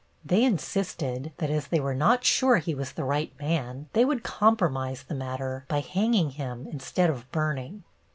They insisted that, as they were not sure he was the right man, they would compromise the matter by hanging him instead of burning.